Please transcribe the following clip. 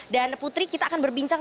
dan putri kita akan berbincang